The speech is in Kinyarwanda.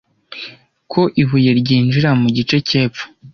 ku ibuye ryinjirira mu gice cy’epfo